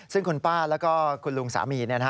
ซึ่งคุณป้าแล้วก็คุณลุงสามี